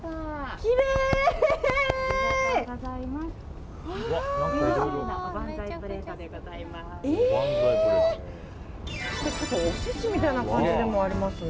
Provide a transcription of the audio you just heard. きれい！お寿司みたいな感じでもありますね。